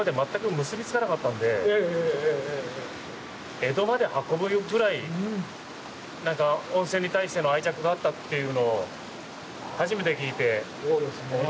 江戸まで運ぶぐらい何か温泉に対しての愛着があったというのを初めて聞いて驚きましたね。